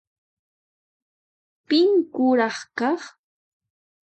Pin kuraq kaq?